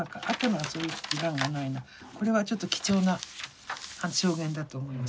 これはちょっと貴重な証言だと思います。